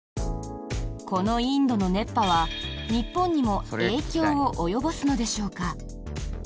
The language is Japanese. このインドの熱波は、日本にも影響を及ぼすのでしょうか？